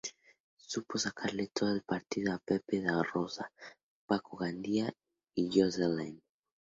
Supo sacarle todo el partido a Pepe Da Rosa, Paco Gandía y Josele.